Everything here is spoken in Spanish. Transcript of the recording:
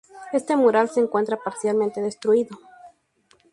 Este mural se encuentra parcialmente destruido.